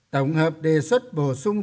tổng hợp đề xuất bổ sung